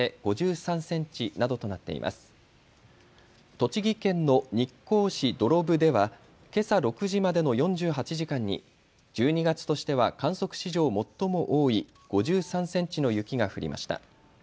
栃木県の日光市土呂部ではけさ６時までの４８時間に１２月としては観測史上最も多い５３センチの雪が降りました。